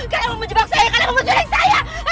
kalian mau menjebak saya kalian mau menjunik saya